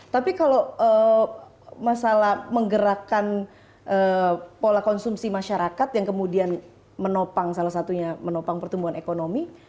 tapi kalau masalah menggerakkan pola konsumsi masyarakat yang kemudian menopang salah satunya menopang pertumbuhan ekonomi